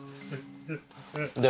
で